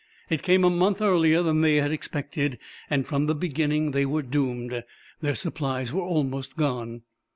It came a month earlier than they had expected, and from the beginning they were doomed. Their supplies were almost gone.